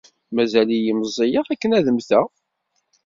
Mazal-iyi meẓẓiyeɣ akken ad mmteɣ!